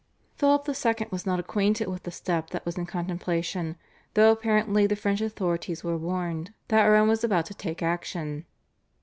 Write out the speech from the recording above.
Philip II. was not acquainted with the step that was in contemplation, though apparently the French authorities were warned that Rome was about to take action.